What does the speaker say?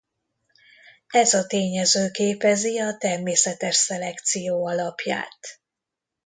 Ez a tényező képezi a természetes szelekció alapját.